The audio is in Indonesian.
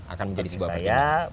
akan menjadi sebuah pertimbangan